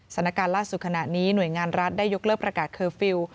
สถานการณ์ล่าสุดขณะนี้หน่วยงานรัฐได้ยกเลิกประกาศเคอร์ฟิลล์